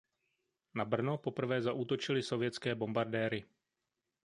Na Brno poprvé zaútočily sovětské bombardéry.